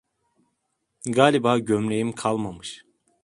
Galiba gömleğim kalmamış.